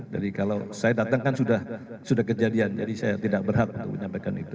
jadi kalau saya datang kan sudah kejadian jadi saya tidak berhak untuk menyampaikan itu